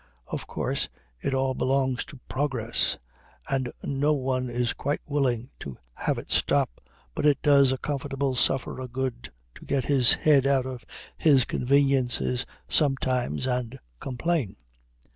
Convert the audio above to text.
Of course it all belongs to Progress, and no one is quite willing to have it stop, but it does a comfortable sufferer good to get his head out of his conveniences sometimes and complain.